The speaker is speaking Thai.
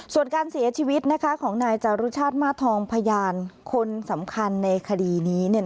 ส่วนการเสียชีวิตของนายจารุชาติมาทองพยานคนสำคัญในคดีนี้